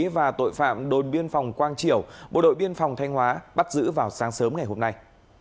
và tội phạm đồn biên phòng quang triểu bộ đội biên phòng thanh hóa bắt giữ vào sáng sớm ngày hôm nay